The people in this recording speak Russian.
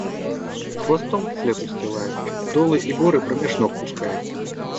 Хвостом след устилает, долы и горы промеж ног пускает.